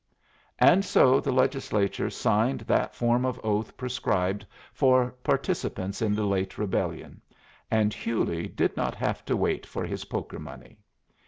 And so the Legislature signed that form of oath prescribed for participants in the late Rebellion, and Hewley did not have to wait for his poker money.